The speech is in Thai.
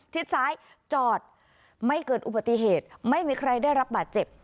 ซ้ายจอดไม่เกิดอุบัติเหตุไม่มีใครได้รับบาดเจ็บ